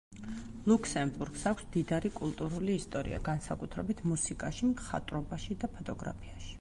ლუქსემბურგს აქვს მდიდარი კულტურული ისტორია, განსაკუთრებით: მუსიკაში, მხატვრობაში და ფოტოგრაფიაში.